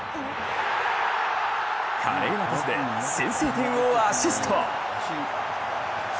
華麗なパスで先制点をアシスト！